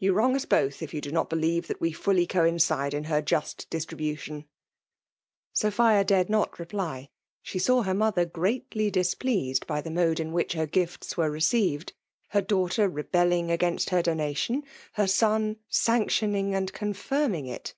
Yon vroBg UB bofli if you do not beHeve that we ftiHy twinetde in her just distribution*" ..Sophsadaced not refdy. She saw hermo« ^ter greatly displeased by the mode in wfauih her gtfls were received: her daughter rebdUng^ agsinal h^r donation — her son sanctioiiing aad oenfinmag it.